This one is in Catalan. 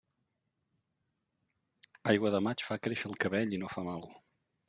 Aigua de maig fa créixer el cabell i no fa mal.